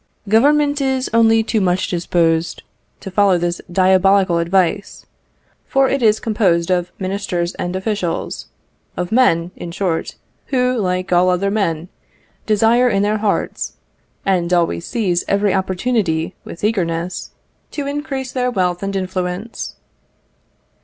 Government is only too much disposed to follow this diabolical advice, for it is composed of ministers and officials of men, in short, who, like all other men, desire in their hearts, and always seize every opportunity with eagerness, to increase their wealth and influence.